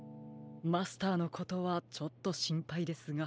マスターのことはちょっとしんぱいですが。